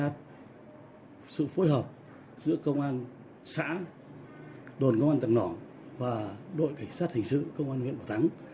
đồn công an tầng nỏ và đội cảnh sát hình sự công an huyện bảo thắng